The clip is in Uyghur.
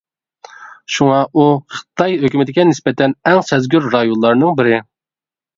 شۇڭا ئۇ خىتاي ھۆكۈمىتىگە نىسبەتەن ئەڭ سەزگۈر رايونلارنىڭ بىرى.